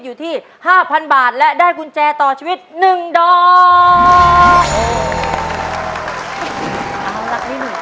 อยู่ที่ห้าพันบาทและได้กุญแจต่อชีวิตหนึ่งดอกที่หนึ่ง